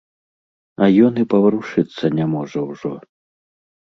А ён і паварушыцца не можа ўжо.